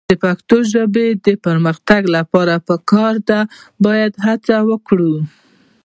د پښتو ژبې د پرمختګ لپاره ټول باید هڅه وکړو.